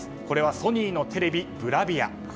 これはソニーのテレビ、ブラビア。